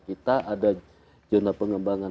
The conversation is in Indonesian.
kita ada jurnal pengembangan